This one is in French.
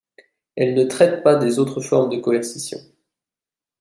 Elle ne traite pas des autres formes de coercition.